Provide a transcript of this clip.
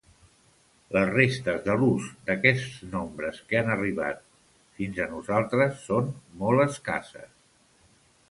Les restes de l'ús d'aquests nombres que han arribat fins a nosaltres són molt escasses.